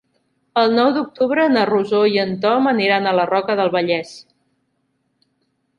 El nou d'octubre na Rosó i en Tom aniran a la Roca del Vallès.